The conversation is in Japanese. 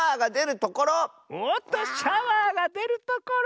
おっとシャワーがでるところ。